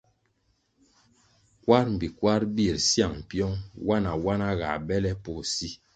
Kwar mbpi kwar bir syang pyong, nwana-nwana ga bele poh si.